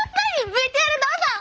ＶＴＲどうぞ！